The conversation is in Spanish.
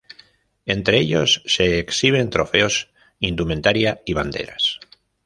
Entre ellos se exhiben trofeos, indumentaria y banderas.